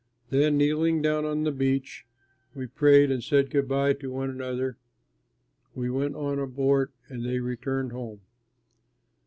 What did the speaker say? Then kneeling on the beach, we prayed and said good by to one another; we went on board and they returned home.